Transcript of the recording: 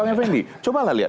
bang effendi cobalah lihat